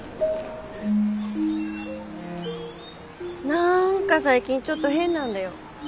何か最近ちょっと変なんだよ。